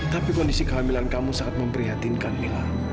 tapi kondisi kehamilan kamu sangat memprihatinkan mila